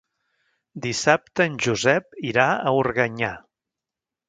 Dissabte en Josep irà a Organyà.